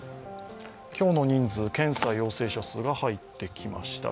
今日の人数、検査陽性者数が入ってきました。